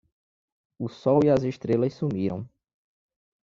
O sol e as estrelas sumiram